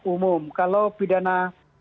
umum kalau pidana